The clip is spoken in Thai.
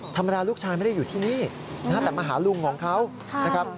ธรรมดาลูกชายไม่ได้อยู่ที่นี่แต่มาหาลุงของเขานะครับ